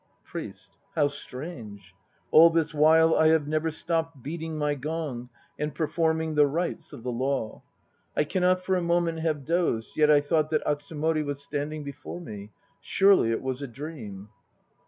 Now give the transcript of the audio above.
PRIEST. How strange! All this while I have never stopped beating my gong and performing the rites of the Law. I cannot for a moment have dozed, yet I thought that Atsumori was standing before me. Surely it was a dream.